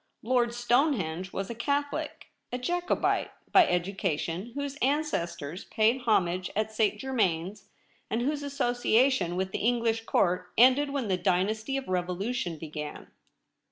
Lord Stone henge was a Catholic, a Jacobite by education, whose ancestors paid homage at St. Germains, and whose association with the English Court ended when the dynasty of revolution began.